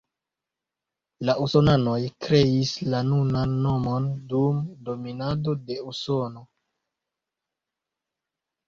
La usonanoj kreis la nunan nomon dum dominado de Usono.